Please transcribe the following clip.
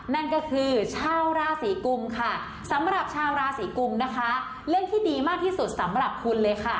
นั่นก็คือชาวราศีกุมค่ะสำหรับชาวราศีกุมนะคะเรื่องที่ดีมากที่สุดสำหรับคุณเลยค่ะ